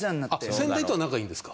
先代とは仲いいんですか？